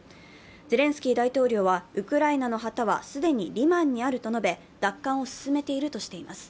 ゼレンスキー大統領はウクライナの旗は既にリマンにあると述べ、奪還を進めているとしています。